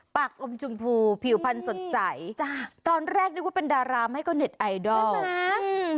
ปากอมจุนภูผิวพันธ์สนใจตอนแรกนึกว่าเป็นดาราไม่ก็เน็ตไอดอลใช่มั้ย